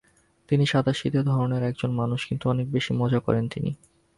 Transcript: তিনি সাদাসিধে ধরনের একজন মানুষ কিন্তু অনেক বেশি মজা করেন তিনি।